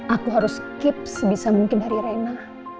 aku harus keep sebisa mungkin dari reina